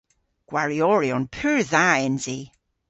Gwarioryon pur dha ens i.